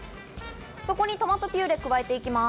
そこにトマトピューレを加えていきます。